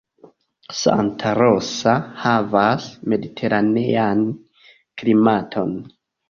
Santa Rosa havas mediteranean klimaton.